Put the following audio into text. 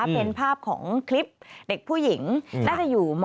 เป็นภาพของคลิปเด็กผู้หญิงน่าจะอยู่ม๔